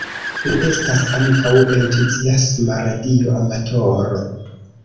Li estas ankaŭ entuziasma radio amatoro.